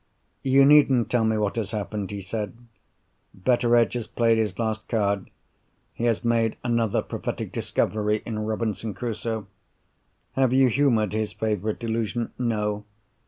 "You needn't tell me what has happened," he said. "Betteredge has played his last card: he has made another prophetic discovery in Robinson Crusoe. Have you humoured his favourite delusion? No?